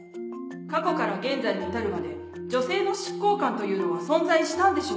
過去から現在に至るまで女性の執行官というのは存在したのでしょうか？